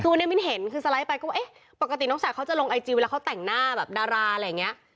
คือวันนี้มิ้นเห็นคือสไลด์ไปก็เอ๊ะปกติน้องสาวเขาจะลงไอจีเวลาเขาแต่งหน้าแบบดาราอะไรอย่างนี้